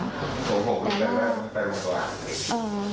โขโหเป็นแม่มันเป็นลูกตัว